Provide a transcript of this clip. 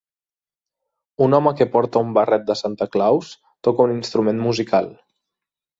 Un home que porta un barret de Santa Claus toca un instrument musical.